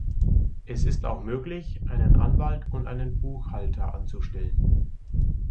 Es ist auch möglich, einen Anwalt und einen Buchhalter anzustellen.